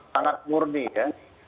sangat murni ya